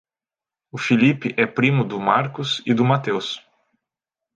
O Felipe é primo do Marcos e do Mateus.